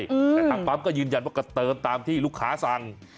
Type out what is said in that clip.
แต่ทางปั๊มก็ยืนยันว่าก็เติมตามที่ลูกค้าสั่ง